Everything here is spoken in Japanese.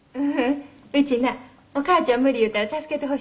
「うちなお母ちゃん無理言うたら助けてほしいんどす」